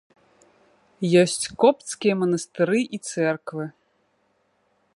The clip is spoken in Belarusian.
Ёсць копцкія манастыры і цэрквы.